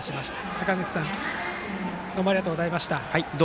坂口さんどうもありがとうございました。